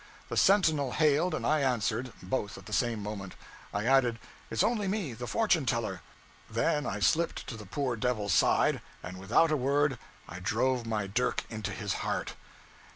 The sentinel hailed and I answered, both at the same moment. I added, 'It's only me the fortune teller.' Then I slipped to the poor devil's side, and without a word I drove my dirk into his heart!